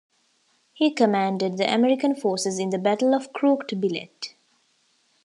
He commanded the American forces in the Battle of Crooked Billet.